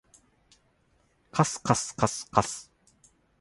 かすかすかすかす